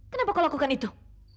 kenapa kau lakukan itu